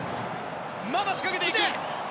まだ仕掛けていく！